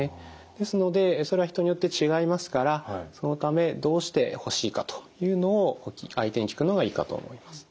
ですのでそれは人によって違いますからそのためどうしてほしいかというのを相手に聞くのがいいかと思います。